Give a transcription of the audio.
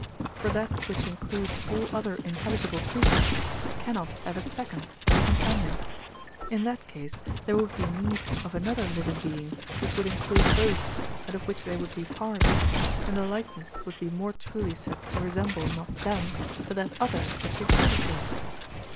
For that which includes all other intelligible creatures cannot have a second or companion; in that case there would be need of another living being which would include both, and of which they would be parts, and the likeness would be more truly said to resemble not them, but that other which included them.